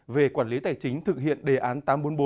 về quản lý tài chính thực hiện đề án tám trăm bốn mươi bốn